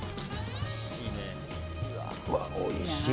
おいしい！